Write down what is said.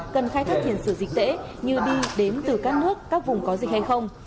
cần khai thác tiền sử dịch tễ như đi đến từ các nước các vùng có dịch hay không